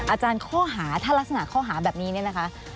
อาจารย์ข้อหาถ้ารักษณะข้อหาแบบนี้เนี่ยนะคะ